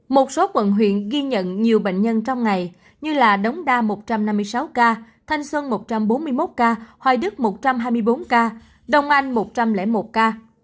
một số quận huyện ghi nhận nhiều bệnh nhân trong ngày như đống đa một trăm năm mươi sáu ca thanh xuân một trăm bốn mươi một ca hoài đức một trăm hai mươi bốn ca đông anh một trăm linh một ca